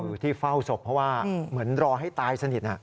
คือที่เฝ้าศพเพราะว่าเหมือนรอให้ตายสนิท